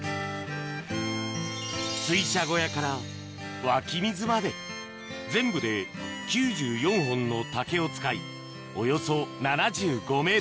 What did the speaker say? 水車小屋から湧き水まで全部で９４本の竹を使いおよそ７５ｍ